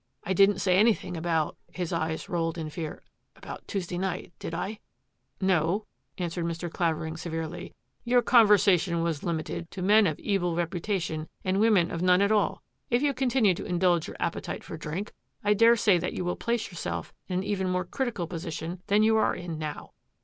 I didn't say anything about" — his eyes rolled in fear —" about Tuesday night, did I? "" No," answered Mr. Clavering severely, " your conversation was limited to men of evil reputation and women of none at all. If you continue to in dulge your appetite for drink, I daresay that you will place yourself in an even more critical position than you are in now."